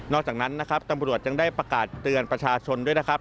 จากนั้นนะครับตำรวจยังได้ประกาศเตือนประชาชนด้วยนะครับ